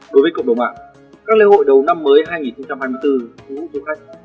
đối với cộng đồng mạng các lễ hội đầu năm mới hai nghìn hai mươi bốn thu hút du khách